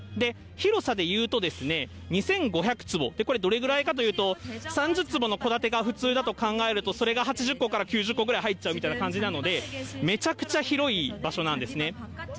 広さでいうと２５００坪、これ、どれぐらいかというと、３０坪の戸建てが普通だと考えると、それが８０戸から９０戸くらい入っちゃうぐらいみたいな感じなので、めちゃくちゃ広い場所なんですね。